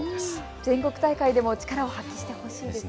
全国大会でも力を発揮してほしいですね。